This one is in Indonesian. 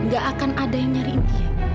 gak akan ada yang nyariin dia